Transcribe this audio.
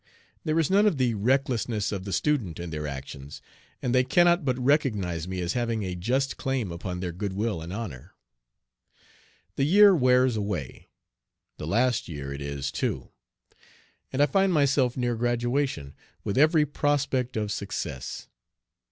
There is none of the recklessness of the student in their actions, and they cannot but recognize me as having a just claim upon their good will and honor. The year wears away the last year it is too and I find myself near graduation, with every prospect of success.